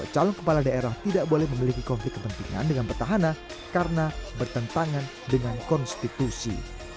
calon kepala daerah tidak boleh memiliki konflik kepentingan dengan petahana karena bertentangan dengan konstitusi